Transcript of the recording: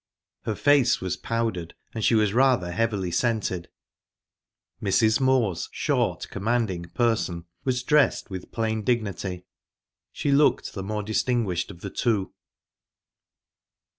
Her face was powdered, and she was rather heavily scented. Mrs. Moor's short, commanding person was dressed with plain dignity. She looked the more distinguished of the two.